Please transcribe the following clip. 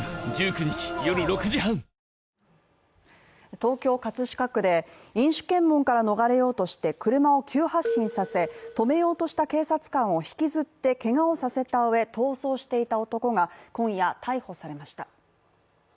東京・葛飾区で飲酒検問から逃れようとして車を急発進させ止めようとした警察官を引きずってけがをさせたうえ、逃走していた男が、今夜逮捕されました。